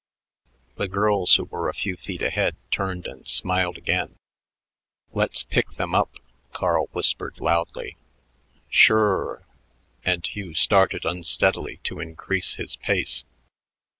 The girls, who were a few feet ahead, turned and smiled again. "Let's pick them up," Carl whispered loudly. "Shure," and Hugh started unsteadily to increase his pace.